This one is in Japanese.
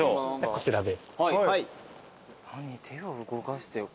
こちらで。